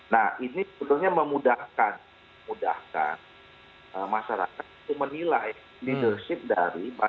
nah ini sebetulnya memudahkan masyarakat menilai leadership dari